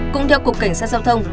cũng theo cục cảnh sát giao thông